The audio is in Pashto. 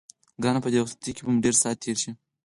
ګرانه په دې رخصتۍ کې به مو ډېر ساعت تېر شي.